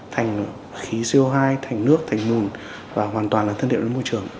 thành khí co hai thành nước thành mùn và hoàn toàn là thân điệu đến môi trường